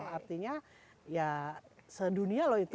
artinya ya sedunia loh itu